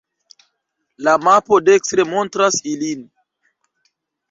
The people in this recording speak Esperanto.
La mapo dekstre montras ilin.